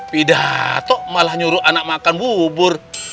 pidato malah nyuruh anak makan bubur